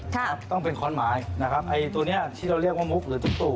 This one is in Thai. ครับต้องเป็นคอนหมายนะครับไอ้ตัวเนี้ยที่เราเรียกว่ามุกหรือตุ๊กตู่